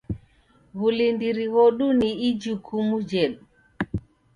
W'ulindiri ghodu ni ijukumu jhedu.